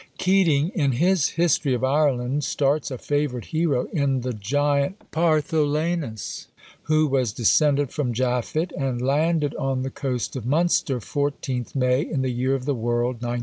Keating, in his "History of Ireland," starts a favourite hero in the giant Partholanus, who was descended from Japhet, and landed on the coast of Munster 14th May, in the year of the world 1987.